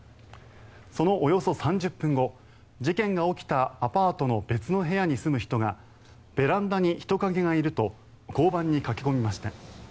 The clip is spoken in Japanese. そのおよそ３０分後事件が起きたアパートの別の部屋に住む人がベランダに人影がいると交番に駆け込みました。